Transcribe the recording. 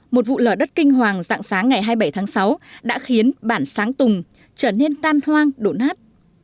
một vụ lở đất kinh hoàng dạng sáng ngày hai mươi bảy tháng sáu đã khiến bản sáng tùng trở nên tan hoang đổ nát